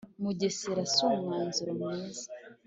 mugesera si umwuzuro mwiza